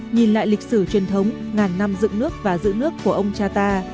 nhìn lại lịch sử truyền thống ngàn năm dựng nước và giữ nước của ông cha ta